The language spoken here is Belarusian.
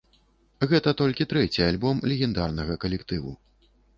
Гэта толькі трэці альбом легендарнага калектыву.